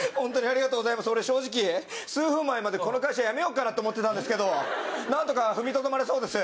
俺、正直、数分前までこの会社やめようかなと思ってたんですけど何とか踏みとどまれそうです。